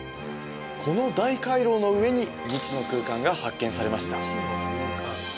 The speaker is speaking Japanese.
この大回廊の上に未知の空間が発見されました